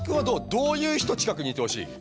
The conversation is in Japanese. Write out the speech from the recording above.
どういう人近くにいてほしい？